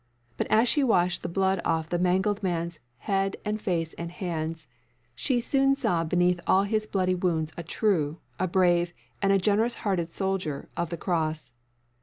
But as she washed the blood off the mangled man's head and face and hands, she soon saw beneath all his bloody wounds a true, a brave, and a generous hearted soldier of the Cross.